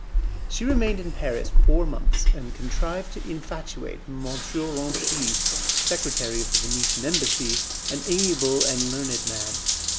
She remained in Paris four months, and contrived to infatuate M. Ranchi, secretary of the Venetian Embassy, an amiable and learned man.